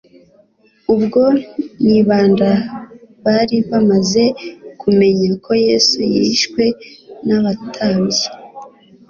Ubwo nibanda bari bamaze kumenya ko Yesu yishwe n'abatambyi,